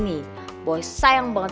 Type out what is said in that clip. dibabahi mau jangan